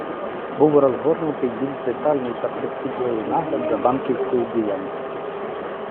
Був розгорнутий більш детальний та прискіпливий нагляд за банківською діяльністю.